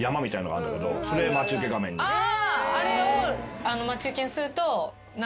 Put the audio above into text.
あれを待ち受けにすると。